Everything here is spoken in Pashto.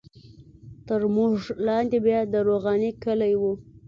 تر موږ لاندې بیا د روغاني کلی وو.